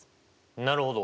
なるほど。